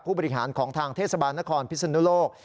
ผู้บริหารของทางเทศบาลนครพิศนุโลก